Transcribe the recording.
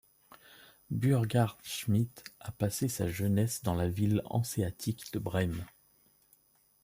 Burghart Schmidt a passé sa jeunesse dans la ville hanséatique de Brême.